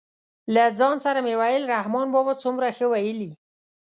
له ځان سره مې ویل رحمان بابا څومره ښه ویلي.